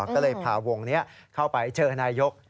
ก็เลยพาวงนี้เข้าไปเจอนายก